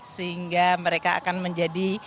sehingga mereka akan menjadi